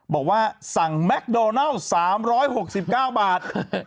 บอกว่าสั่งแมคโดนัล๓๖๙บาท